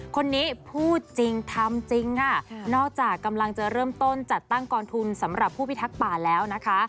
คนนี้พูดจริงทำจริงค่ะนอกจากกำลังจะเริ่มต้นจัดตั้งกองทุนสำหรับผู้พิทักษ์ป่าแล้วนะคะ